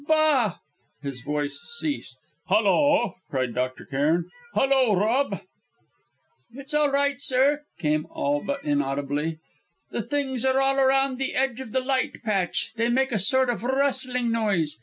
Bah! " His voice ceased. "Hullo!" cried Dr. Cairn. "Hullo, Rob!" "It's all right, sir," came, all but inaudibly. "The things are all around the edge of the light patch; they make a sort of rustling noise.